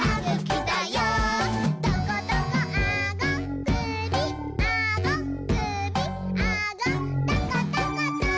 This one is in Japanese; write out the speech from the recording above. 「トコトコあごくびあごくびあごトコトコト」